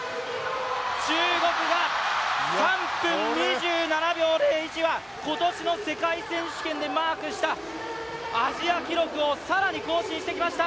中国は３分２７秒０１は今年の世界選手権でマークしたアジア記録を更に更新してきました。